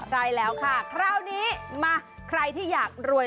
ใช่แล้วค่ะคราวนี้มาใครที่อยากรวย